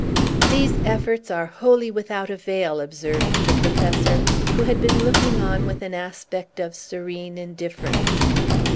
"These efforts are wholly without avail," observed the Professor, who had been looking on with an aspect of serene indifference.